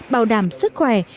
bảo đảm sức khỏe